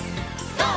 ＧＯ！